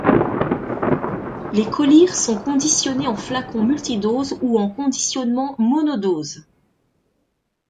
Les collyres sont conditionnés en flacons multidoses ou en conditionnement monodose.